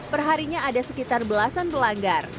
perharinya ada sekitar belasan pelanggar